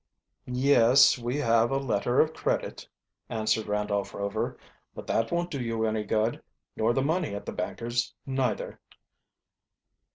"Yes, we have a letter of credit," answered Randolph Rover. "But that won't do you any good, nor the money at the banker's neither."